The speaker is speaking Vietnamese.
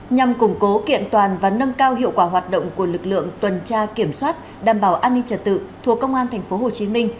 nhằm củng cố kiện toàn và nâng cao hiệu quả hoạt động của lực lượng tuần tra kiểm soát đảm bảo an ninh trật tự thuộc công an tp hcm